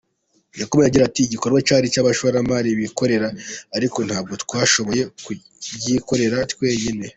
Yakomeje agira ati "Iki gikorwa cyari icy’abashoramari bikorera ariko ntabwo twashoboye kubyikorera twenyine.